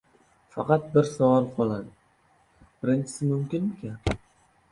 Faqat bir savol qoladi: birinchisi mumkinmikan?